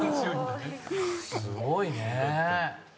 すごいねぇ。